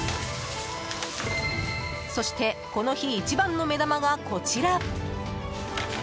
そして、この日一番の目玉がこちら。